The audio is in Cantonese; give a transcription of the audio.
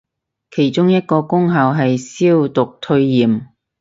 其中一個功效係消毒退炎